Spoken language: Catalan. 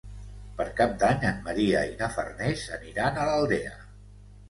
Per Cap d'Any en Maria i na Farners aniran a l'Aldea.